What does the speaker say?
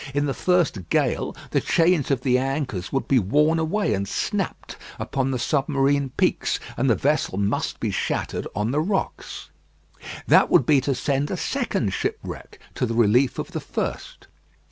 In the first gale the chains of the anchors would be worn away and snapped upon the submarine peaks, and the vessel must be shattered on the rocks. That would be to send a second shipwreck to the relief of the first.